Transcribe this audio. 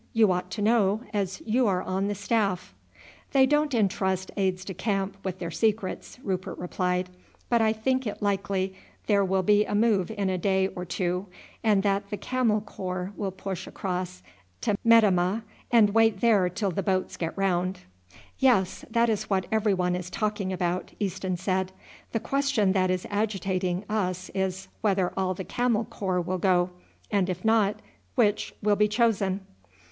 You ought to know, as you are on the staff." "They don't intrust aides de camp with their secrets," Rupert replied; "but I think it likely there will be a move in a day or two, and that the Camel Corps will push across to Metemmeh and wait there till the boats get round." "Yes, that is what every one is talking about," Easton said. "The question that is agitating us is whether all the Camel Corps will go; and if not, which will be chosen?"